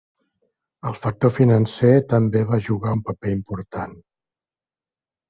El factor financer també va jugar un paper important.